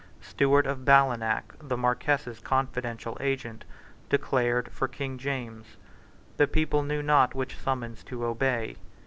Stewart of Ballenach, the Marquess's confidential agent, declared for King James. The people knew not which summons to obey.